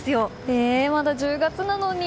えー、まだ１０月なのに。